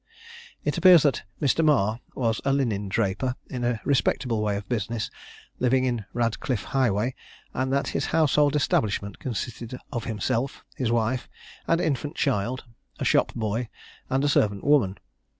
It appears that Mr. Marr was a linen draper in a respectable way of business living in Ratcliffe Highway, and that his household establishment consisted of himself, his wife, and infant child, a shop boy and a servant woman.